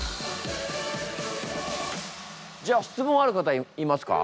じゃあ質問ある方いますか？